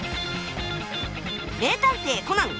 「名探偵コナン」